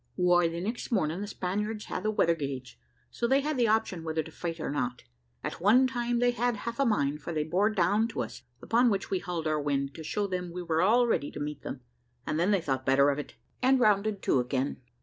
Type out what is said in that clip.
"Why, the next morning the Spaniards had the weather gauge, so they had the option whether to fight or not. At one time they had half a mind, for they bore down to us; upon which we hauled our wind, to show them we were all ready to meet them, and then they thought better of it, and rounded to again.